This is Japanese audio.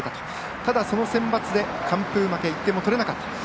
ただ、そのセンバツで完封負け１点も取れなかった。